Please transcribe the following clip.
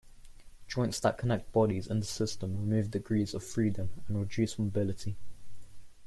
Joints that connect bodies in this system remove degrees of freedom and reduce mobility.